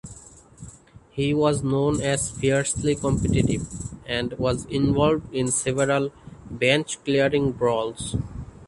He was known as fiercely competitive, and was involved in several bench-clearing brawls.